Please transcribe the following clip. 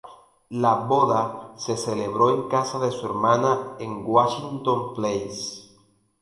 La boda se celebró en casa de su hermana, en Washington Place.